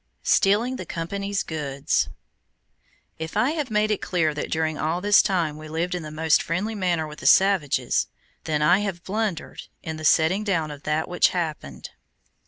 STEALING THE COMPANY'S GOODS If I have made it appear that during all this time we lived in the most friendly manner with the savages, then have I blundered in the setting down of that which happened.